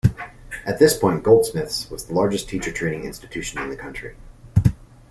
At this point Goldsmiths was the largest teacher training institution in the country.